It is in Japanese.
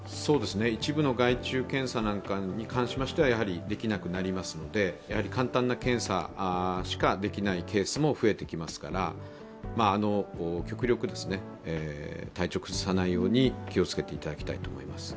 一部の外注検査なんかに関しましてはやはりできなくなりますので簡単な検査しかできないケースも増えてきますから、極力、体調を崩さないように気をつけていただきたいと思います。